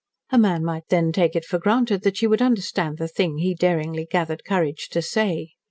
A man might then take it for granted that she would understand the thing he daringly gathered courage to say.